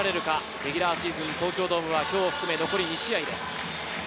レギュラ−シーズン、東京ドームは今日含め残り２試合です。